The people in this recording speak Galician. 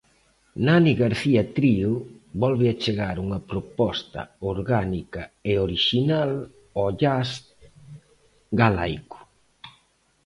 Nani García Trío volve achegar unha proposta orgánica e orixinal ao jazz galaico.